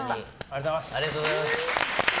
ありがとうございます。